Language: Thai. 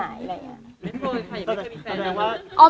ไม่เคยมีแฟนหรอก